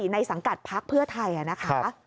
สังกัดพักเพื่อไทยนะคะ